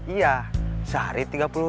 iya sehari tiga puluh